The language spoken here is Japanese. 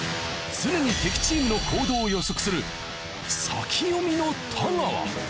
常に敵チームの行動を予測する先読みの太川。